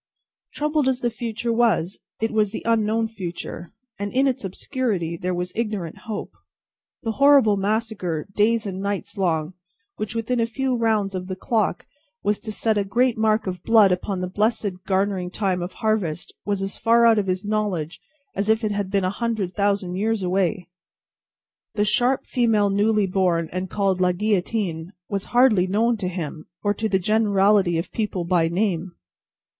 Troubled as the future was, it was the unknown future, and in its obscurity there was ignorant hope. The horrible massacre, days and nights long, which, within a few rounds of the clock, was to set a great mark of blood upon the blessed garnering time of harvest, was as far out of his knowledge as if it had been a hundred thousand years away. The "sharp female newly born, and called La Guillotine," was hardly known to him, or to the generality of people, by name.